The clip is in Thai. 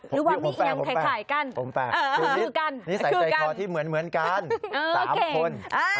หรือว่ามียังคล้ายกันผมแปลกนิสัยใจข้อที่เหมือนกันสามคน